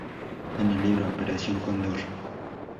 En el libro “Operación Cóndor.